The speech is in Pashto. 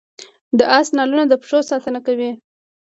د اس نالونه د پښو ساتنه کوي